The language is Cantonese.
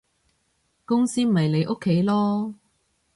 公司咪你屋企囉